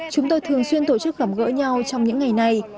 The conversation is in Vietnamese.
chúng tôi thường xuyên tổ chức gặp gỡ nhau trong những ngày này